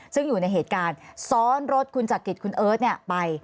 ซึ่งอยู่ในเหตุการณ์ซ้อนรถคุณจักริตคุณเอิร์ทไป